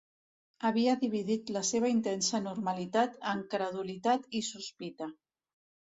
Havia dividit la seva intensa normalitat en credulitat i sospita.